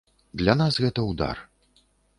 Для нас гэта ўдар.